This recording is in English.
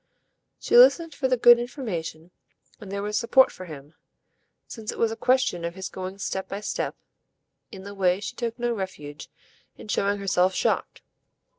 She listened as for the good information, and there was support for him since it was a question of his going step by step in the way she took no refuge in showing herself shocked.